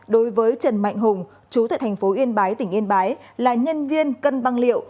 đối với trần mạnh hùng chú tại thành phố yên bái tỉnh yên bái là nhân viên cân băng liệu